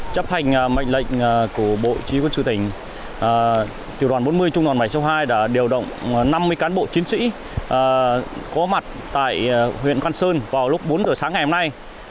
chấp hành mệnh lệnh của bộ chỉ huy quân sự tỉnh tiểu đoàn bốn mươi trung đoàn bảy hai đã điều động năm mươi cán bộ chiến sĩ có mặt tại huyện quan sơn vào lúc bốn giờ sáng ngày hôm nay